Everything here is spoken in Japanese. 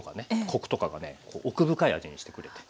コクとかがね奥深い味にしてくれて。